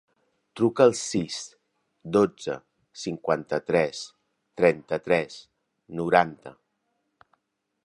Truca al sis, dotze, cinquanta-tres, trenta-tres, noranta.